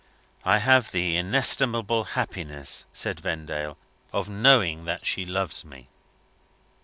"I have the inestimable happiness," said Vendale, "of knowing that she loves me."